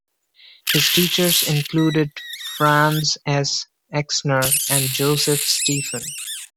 His teachers included Franz S. Exner and Joseph Stefan.